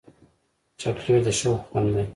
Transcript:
چاکلېټ د شوق خوند دی.